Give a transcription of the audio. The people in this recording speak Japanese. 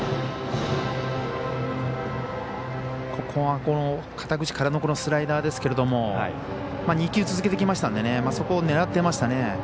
ここは力のスライダーですけれども２球続けてきましたのでそれを狙ってきましたね。